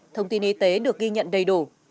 thông tin y tế được ghi nhận đầy đủ